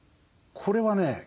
これはね